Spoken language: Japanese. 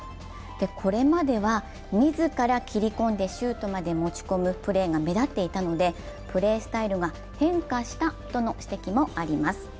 これまでは自ら切り込んでシュートまで持ち込むプレーが目立っていたのでプレースタイルが変化したとの指摘もあります。